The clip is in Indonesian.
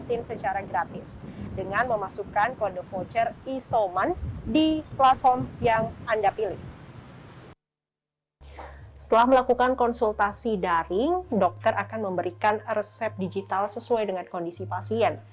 setelah melakukan konsultasi daring dokter akan memberikan resep digital sesuai dengan kondisi pasien